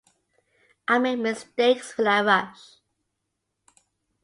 I make mistakes when I rush.